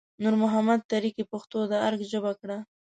نور محمد تره کي پښتو د ارګ ژبه کړه